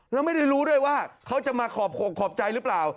แล้วไม่ได้รู้ด้วยว่าเขาจะมาขอบโขกขอบใจหรือเปล่า